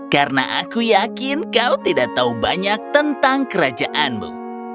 karena aku yakin kau tidak tahu banyak tentang kerajaanmu